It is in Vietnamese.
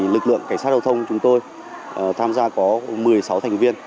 lực lượng cảnh sát giao thông chúng tôi tham gia có một mươi sáu thành viên